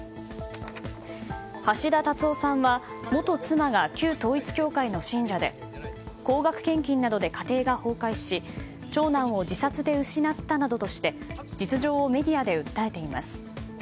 橋田達夫さんは元妻が旧統一教会の信者で高額献金などで家庭が崩壊し長男を自殺で失ったなどとして実情をメディアで訴えています。